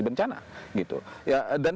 bencana gitu ya dan